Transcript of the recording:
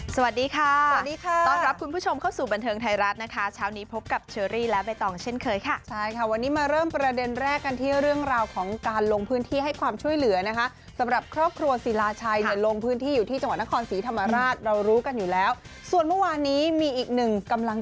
สวัสดีค่ะสวัสดีค่ะต้องรับคุณผู้ชมเข้าสู่บรรเทิง